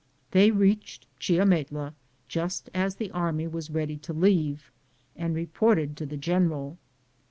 They reached Chia metla just as the army was ready to leave, and reported to the general.